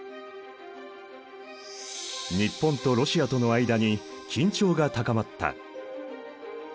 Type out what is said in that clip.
日本とロシアとの間に緊張が高まった。